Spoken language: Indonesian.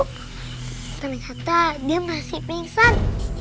kan kata dia masih pingsan